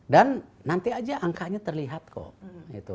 dan nanti aja angkanya terlihat kok